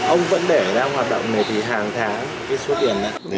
ông vẫn để đang hoạt động này thì hàng tháng cái số tiền này